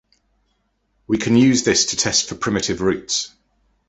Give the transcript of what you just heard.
We can use this to test for primitive roots.